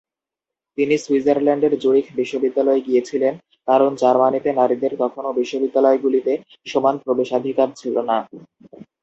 তিনি সুইজারল্যান্ডের জুরিখ বিশ্ববিদ্যালয়ে গিয়েছিলেন, কারণ জার্মানিতে নারীদের তখনও বিশ্ববিদ্যালয়গুলিতে সমান প্রবেশাধিকার ছিল না।